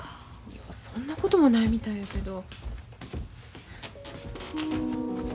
そんなこともないみたいやけど。